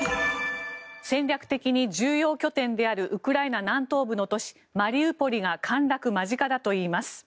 戦略的に重要拠点であるウクライナ南東部の都市マリウポリが陥落間近だといいます。